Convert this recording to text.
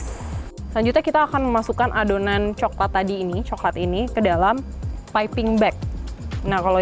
selanjutnya kita akan memasukkan adonan coklat tadi ini coklat ini ke dalam piping bag nah kalau